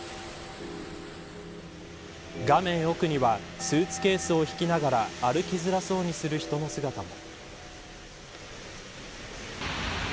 画面奥にはスーツケースを引きながら歩きづらそうにする人の姿も。